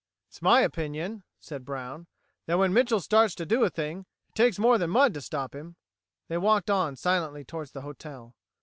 "It's my opinion," said Brown, "that when Mitchel starts to do a thing, it takes more than mud to stop him." They walked on silently toward the hotel.